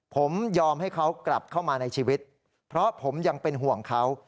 ผมยอมให้เขากลับเข้ามาในชีวิตเพราะผมยังเป็นห่วงเขา